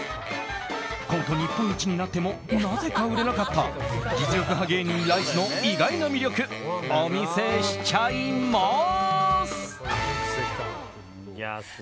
コント日本一になってもなぜか売れなかった実力派芸人ライスの意外な魅力、お見せしちゃいます。